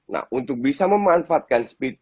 nah untuk bisa memanfaatkan speed